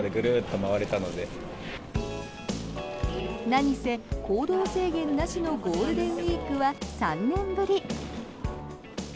何せ、行動制限なしのゴールデンウィークは３年ぶり。